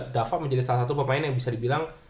dava menjadi salah satu pemain yang bisa dibilang